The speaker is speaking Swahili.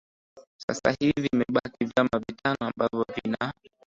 sasa hivi imebaki vyama vitano ambavyo vina